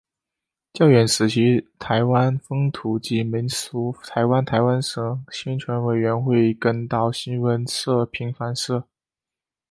教员时期台湾风土记民俗台湾台湾省宣传委员会岛根新闻社平凡社